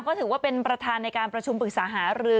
ก็ถือว่าเป็นประธานในการประชุมปรึกษาหารือ